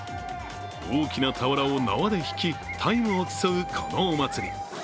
大きな俵を縄で引きタイムを競うこのお祭り。